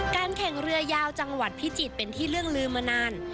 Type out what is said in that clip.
แข่งเรือยาวจังหวัดพิจิตรเป็นที่เรื่องลืมมานาน